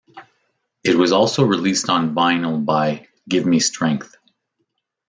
It was also released on vinyl by Give Me Strength.